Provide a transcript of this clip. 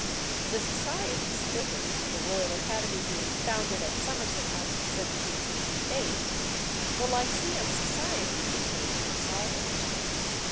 The society splitting, and the Royal Academy being founded at Somerset House in 1768, the Lyceum Society became insolvent.